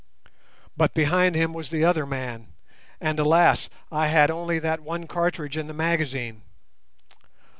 But behind him was the other man, and, alas, I had only that one cartridge in the magazine!